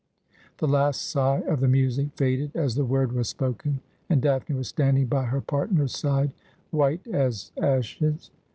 The last sigh of the music faded as the word was spoken, and Daphne was standing by her partner's side white as ashes.